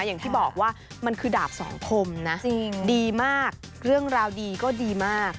อย่างที่บอกว่ามันคือดาบสองคมนะดีมากเรื่องราวดีก็ดีมาก